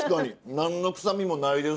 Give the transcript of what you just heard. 何の臭みもないです。